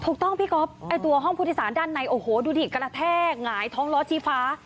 ถูกต้องพี่ก๊อฟตัวห้องพุทธศาสตร์ด้านในโอ้โหดูดิกระแทกหายท้องล้อชี้ฟ้า